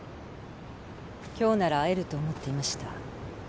今日なら会えると思っていました。